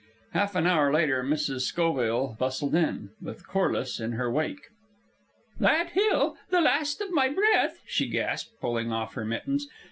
Half an hour later Mrs. Schoville bustled in, with Corliss in her wake. "That hill! The last of my breath!" she gasped, pulling off her mittens.